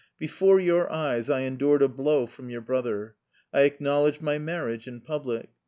Before your eyes I endured a blow from your brother; I acknowledged my marriage in public.